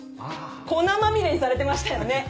粉まみれにされてましたよね。